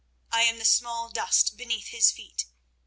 I am the small dust beneath his feet.